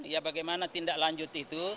ya bagaimana tindak lanjut itu